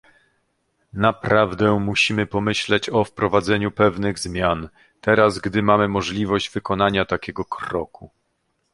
Naprawdę musimy pomyśleć o wprowadzeniu pewnych zmian teraz, gdy mamy możliwość wykonania takiego kroku